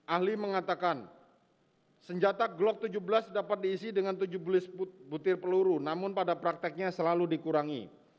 ahli mengatakan senjata glock tujuh belas dapat diisi dengan tujuh butir peluru namun pada prakteknya selalu dikurangi